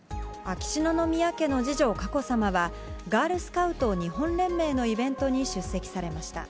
秋篠宮家の次女、佳子さまは、ガールスカウト日本連盟のイベントに出席されました。